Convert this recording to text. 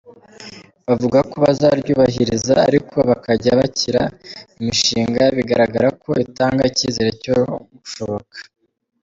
Bavuga ko bazaryubahiriza ariko bakajya bakira imishinga bigaragara ko itanga icyizere cyo gushoboka.